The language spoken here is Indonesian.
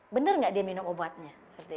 benar nggak dia minum obatnya